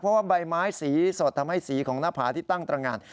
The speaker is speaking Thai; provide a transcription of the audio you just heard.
เพราะว่าใบไม้สีสดทำให้สีของหน้าผาที่ตั้งตรงาน